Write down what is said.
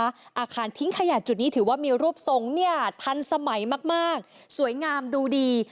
อาคารทิ้งขยะจุดนี้ถือว่ามีรูปทรงเนี่ยทันสมัยมากสวยงามดูดี